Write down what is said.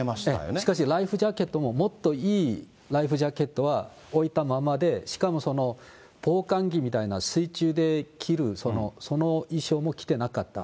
しかしライフジャケットもいいライフジャケットは置いたままで、しかもその防寒着みたいな、水中で着るその衣装も着てなかった。